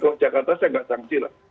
kalau jakarta saya tidak sangsi lah